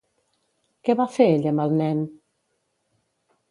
Què va fer ella amb el nen?